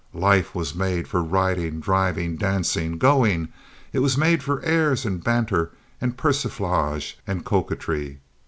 Life was made for riding, driving, dancing, going. It was made for airs and banter and persiflage and coquetry.